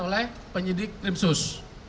oleh penyidik treskrim sus